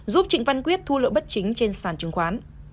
giúp trịnh văn quyết thu lợi bất chính trên sàn chứng khoán